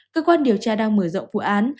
cơ quan điều tra đang mở rộng vụ án